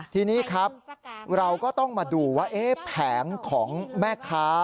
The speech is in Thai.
ทีนี้ครับเราก็ต้องมาดูว่าแผงของแม่ค้า